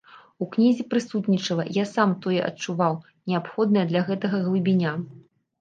У кнізе прысутнічала, я сам тое адчуваў, неабходная для гэтага глыбіня.